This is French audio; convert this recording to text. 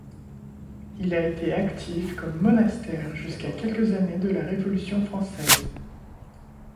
Il a été actif comme monastère jusqu'à quelques années de la Révolution française.